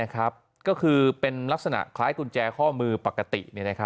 ก็คือเป็นลักษณะคล้ายกุญแจข้อมือปกติ